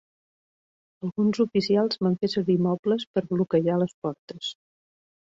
Alguns oficials van fer servir mobles per a bloquejar les portes.